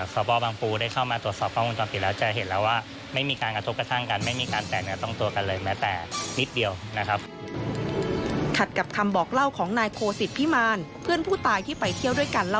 ก็คือจริงแล้วเนี่ย